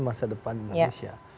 masa depan indonesia